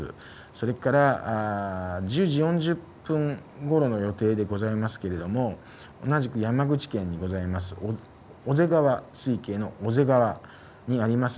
それから１０時４０分ごろの予定でございますけれども、同じく山口県にございます、おぜ川水系のおぜ川にあります